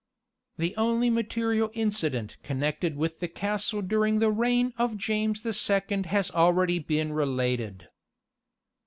The only material incident connected with the castle during the reign of James the Second has been already related.